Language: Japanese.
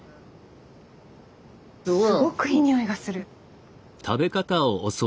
すごくいい匂いがする。